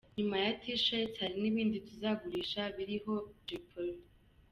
Nyuma ya T-Shirts hari n’ibindi tuzagurisha biriho Jay Polly.